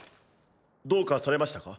どうかされましたか？